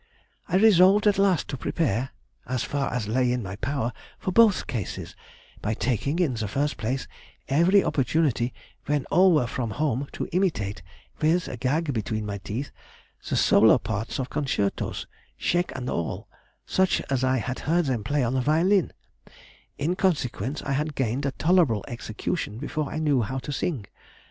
I resolved at last to prepare, as far as lay in my power, for both cases, by taking, in the first place, every opportunity when all were from home to imitate, with a gag between my teeth, the solo parts of concertos, shake and all, such as I had heard them play on the violin; in consequence I had gained a tolerable execution before I knew how to sing.